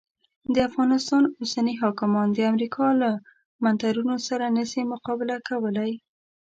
د افغانستان اوسني حاکمان د امریکا له منترونو سره نه سي مقابله کولای.